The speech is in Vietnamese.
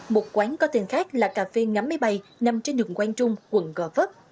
một quán có tên khác là cà phê ngắm máy bay nằm trên đường quang trung quận gò vấp